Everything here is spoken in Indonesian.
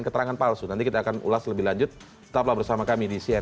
keterangan palsu nanti kita akan ulas lebih lanjut tetaplah bersama kami di cnn